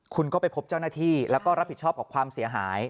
คุณก็ไปพบเจ้าหน้าที่แล้วก็รับผิดชอบกับความเสียหาย